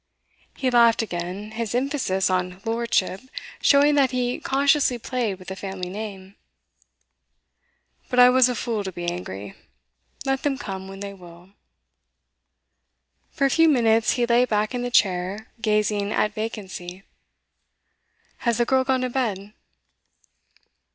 He laughed again, his emphasis on 'lordship' showing that he consciously played with the family name. 'But I was a fool to be angry. Let them come when they will.' For a few minutes he lay back in the chair, gazing at vacancy. 'Has the girl gone to bed?